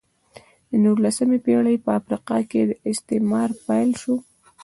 د نولسمې پېړۍ په افریقا کې استعمار پیل شو.